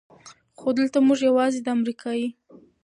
خو دلته مونږ يواځې د امريکې